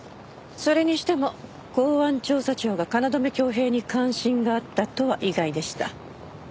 それにしても公安調査庁が京匡平に関心があったとは意外でした。